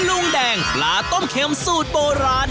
ลุงแดงปลาต้มเข็มสูตรโบราณ